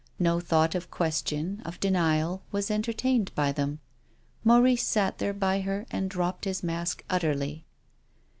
No thought of question, of denial, was entertain ed by them. Maurice sat there by her and dropped his mask utterly.